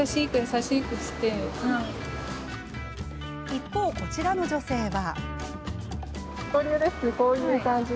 一方、こちらの女性は。